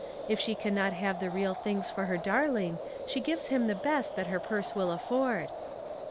If she can not have the real things for her darling, she gives him the best that her purse will afford."